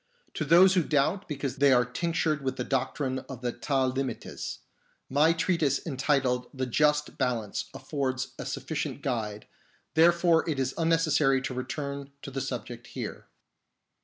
To those who doubt because they are tinctured with the doctrine of the Ta'limites, my treatise entitled The Just Balance affords a sufficient guide ; therefore it is unnecessary to return to the subject here.